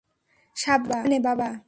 সাবধানে, বাবা।